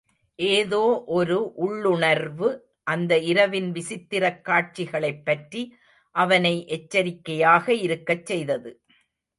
ஏதோ ஒரு உள்ளுணர்வு, அந்த இரவின் விசித்திரக் காட்சிகளைப் பற்றி அவனை எச்சரிக்கையாக இருக்கச் செய்தது.